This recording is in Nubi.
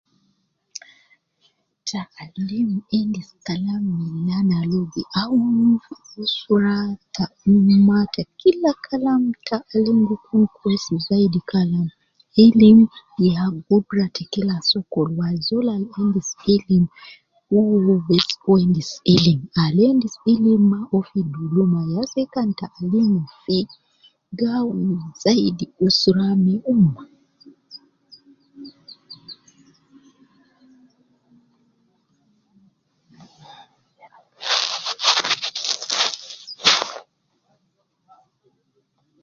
Taalim endis kalam milan al uwo gi aunu fi usra ta ummah ta kila kalam taalim gi kun kweis zaidi kalam ilim ya gudra ta kila sokol wo azol al endis ilim uwo bes uwo bes wendis ilim al endis ilim maa uwo gi kun fi duluma yase kan taalim fii gi awunu zaidi usra ma ummah.